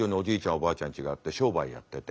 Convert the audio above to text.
おばあちゃんちがあって商売やってて。